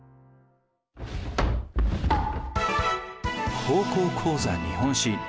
「高校講座日本史」。